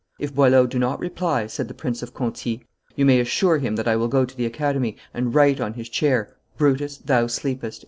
"If Boileau do not reply," said the Prince of Conti, "you may assure him that I will go to the Academy, and write on his chair, 'Brutus, thou sleepest.